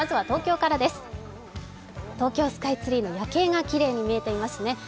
東京スカイツリーの夜景がきれいに見えていますね。